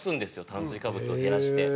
炭水化物を減らして。